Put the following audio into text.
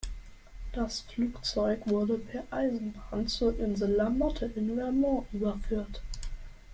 Das Flugzeug wurde per Eisenbahn zur Insel La Motte in Vermont überführt.